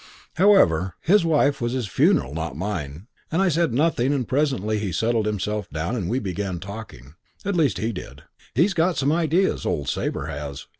"However, his wife was his funeral, not mine, and I said nothing and presently he settled himself down and we began talking. At least he did. He's got some ideas, old Sabre has.